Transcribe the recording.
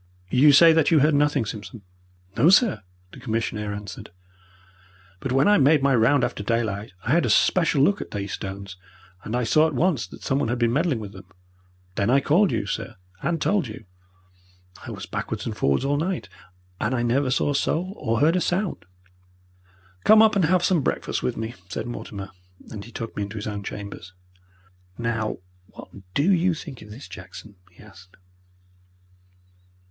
You say that you heard nothing, Simpson?" "No, sir," the commissionaire answered. "But when I made my round after daylight I had a special look at these stones, and I saw at once that someone had been meddling with them. Then I called you, sir, and told you. I was backwards and forwards all night, and I never saw a soul or heard a sound." "Come up and have some breakfast with me," said Mortimer, and he took me into his own chambers. "Now, what DO you think of this, Jackson?" he asked.